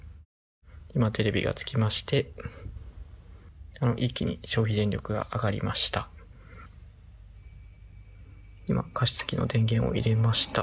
今、テレビがつきまして一気に消費電力が上がりました。